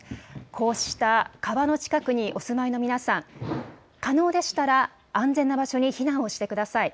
こうした川の近くにお住まいの皆さん、可能でしたら、安全な場所に避難をしてください。